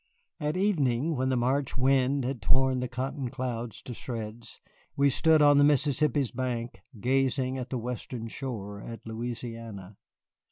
At evening, when the March wind had torn the cotton clouds to shreds, we stood on the Mississippi's bank, gazing at the western shore, at Louisiana.